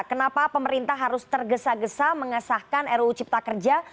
kenapa pemerintah harus tergesa gesa mengesahkan ruu cipta kerja